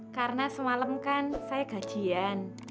karena semalam kan saya gajian